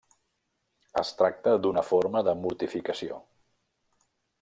Es tracta d'una forma de mortificació.